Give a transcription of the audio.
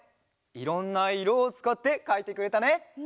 いろんないろをつかってかいてくれたね！